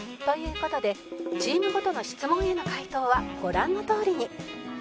という事でチームごとの質問への回答はご覧のとおりに